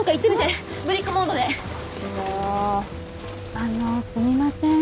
あのすみません。